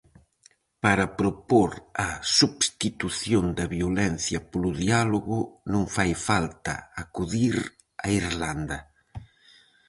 Para propor a substitución da violencia polo diálogo non fai falta acudir a Irlanda.